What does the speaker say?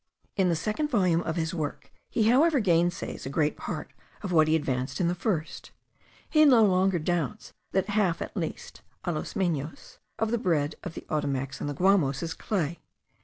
In the second volume of his work he however gainsays a great part of what he advanced in the first; he no longer doubts that half at least (a lo menos) of the bread of the Ottomacs and the Guamos is clay.